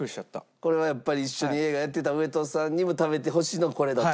これはやっぱり一緒に映画やってた上戸さんにも食べてほしいのがこれだと？